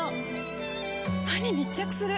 歯に密着する！